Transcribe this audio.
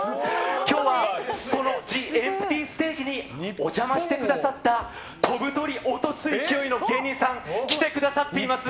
今日は、そのＴＨＥＥＭＰＴＹＳＴＡＧＥにお邪魔してくださった飛ぶ鳥を落とす勢いの芸人さん、来てくださっています。